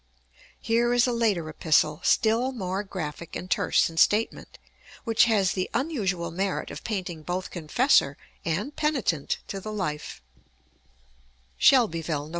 Here is a later epistle, still more graphic and terse in statement, which has the unusual merit of painting both confessor and penitent to the life: SHELBYVILLE, Nov.